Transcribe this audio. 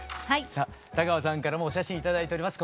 さぁ田川さんからもお写真頂いております